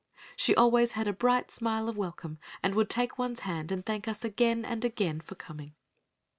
She always had a bright smile of welcome, and would take one's hand and thank us again and again for coming.